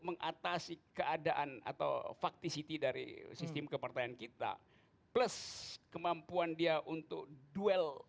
mengatasi keadaan atau factisiti dari sistem kepartaian kita plus kemampuan dia untuk duel